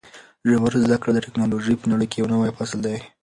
ژوره زده کړه د ټکنالوژۍ په نړۍ کې یو نوی فصل دی.